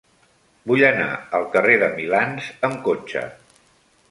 Vull anar al carrer de Milans amb cotxe.